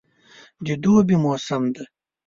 د دوبي موسم دی.